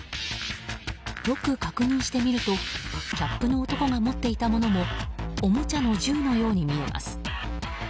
よく確認してみるとキャップの男が持っていたものもおもちゃの銃のように見えます。